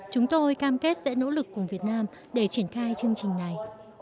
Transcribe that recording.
chúng tôi cam kết sẽ nỗ lực cùng việt nam để triển khai chương trình này